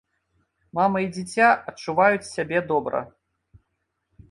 Мама і дзіця адчуваюць сябе добра.